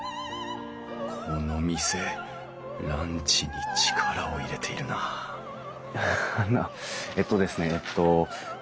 この店ランチに力を入れているなあのえっとですねえっと。